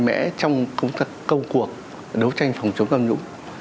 mẽ trong công cuộc đấu tranh phòng chống tham nhũng